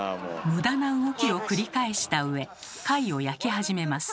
無駄な動きを繰り返したうえ貝を焼き始めます。